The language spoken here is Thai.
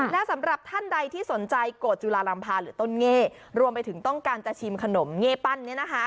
และสำหรับท่านใดที่สนใจโกรธจุลาลำพาหรือต้นเง่รวมไปถึงต้องการจะชิมขนมเง่ปั้นเนี่ยนะคะ